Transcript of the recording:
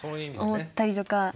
思ったりとか。